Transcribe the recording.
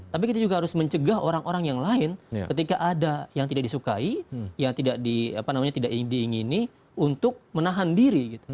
tapi kita juga harus mencegah orang orang yang lain ketika ada yang tidak disukai yang tidak diingini untuk menahan diri